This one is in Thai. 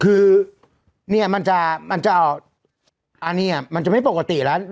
คือเนี่ยมันจะมันจะอันนี้มันจะไม่ปกติแล้ว